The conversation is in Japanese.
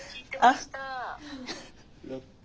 あやった。